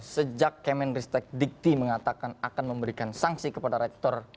sejak kemenristek dikti mengatakan akan memberikan sanksi kepada rektor